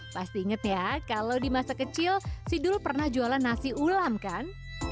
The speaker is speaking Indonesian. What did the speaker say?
pasti inget ya kalau di masa kecil sidul pernah jualan nasi ulam kan